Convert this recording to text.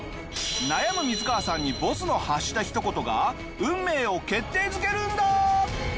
悩むミズカワさんにボスの発したひと言が運命を決定づけるんだ！